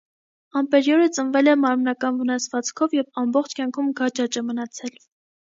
Ամպերյորը ծնվել է մարմնական վնասվածքով և ամբողջ կյանքում գաճաճ է մնացել։